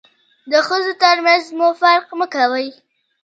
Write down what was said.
د ښځو تر منځ مو فرق مه کوئ.